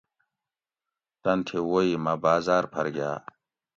تن تھی ووئ مٞہ باٞزاٞر پھر گاٞ